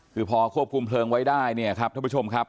คือพอโครบคุมเพลิงเอาไว้ได้เนี่ยท่านผู้ชมครับ